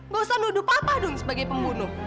bukan nuduh papa dong sebagai pembunuh